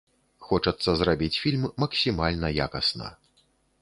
Хочацца зрабіць фільм максімальна якасна.